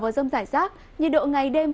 và rong giải rác nhiệt độ ngày đêm